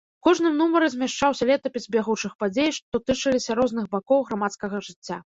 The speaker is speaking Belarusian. У кожным нумары змяшчаўся летапіс бягучых падзей, што тычыліся розных бакоў грамадскага жыцця.